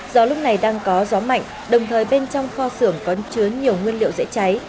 do lúc này đang có gió mạnh đồng thời bên trong kho xưởng có chứa nhiều nguyên liệu dễ cháy